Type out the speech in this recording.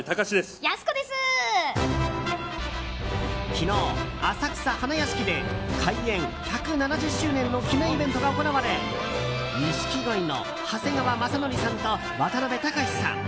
昨日、浅草花やしきで開園１７０周年の記念イベントが行われ錦鯉の長谷川雅紀さんと渡辺隆さん